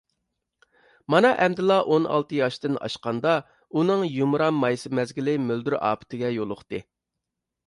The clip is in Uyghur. مانا ئەمدىلا ئون ئالتە ياشتىن ئاشقاندا، ئۇنىڭ يۇمران مايسا مەزگىلى مۆلدۈر ئاپىتىگە يولۇقتى.